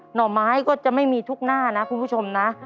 ห่อไม้ก็จะไม่มีทุกหน้านะคุณผู้ชมนะ